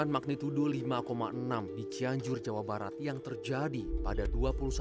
sedangkan tujuh korban lain adalah warga yang sedang berintas